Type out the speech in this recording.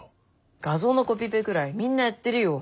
画像のコピペぐらいみんなやってるよ。